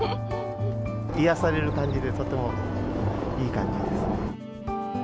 癒やされる感じで、とてもいい感じです。